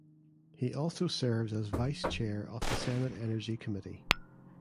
He also serves as vice chair of the Senate Energy Committee.